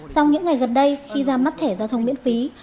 sau những ngày gần đây khi ra mắt thẻ giao thông miễn phí